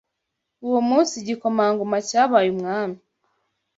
Uwo munsi, igikomangoma cyabaye umwami.